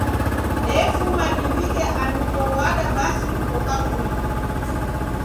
Defuma divike andu kow'ada basi kuko kavui.